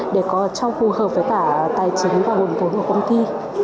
để có cho phù hợp với cả tài chính và hồn phù hợp với công ty